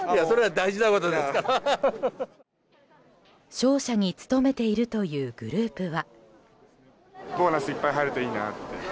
商社に勤めているというグループは。